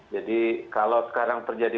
jadi kalau sekarang terjadi